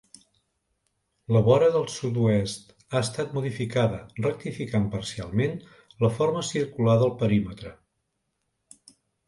La vora del sud-oest ha estat modificada, rectificant parcialment la forma circular del perímetre.